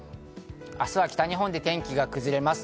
明日は北日本で天気が崩れます。